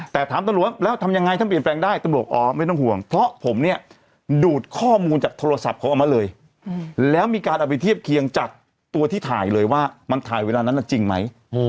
แต่ถามแต่ละแล้วทำยังไงที่เปลี่ยนแปลงได้